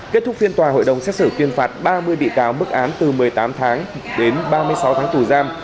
kết thúc phiên tòa hội đồng xét xử tuyên phạt ba mươi bị cáo mức án từ một mươi tám tháng đến ba mươi sáu tháng tù giam